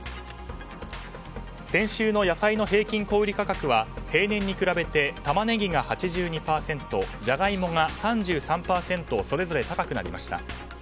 先週の野菜の平均小売価格は平年に比べてタマネギが８２％ジャガイモが３３％それぞれ高くなりました。